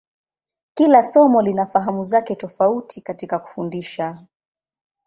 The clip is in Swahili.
Kila somo lina fahamu zake tofauti katika kufundisha.